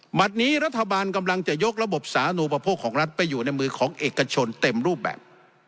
นี้รัฐบาลกำลังจะยกระบบสานูปโภคของรัฐไปอยู่ในมือของเอกชนเต็มรูปแบบ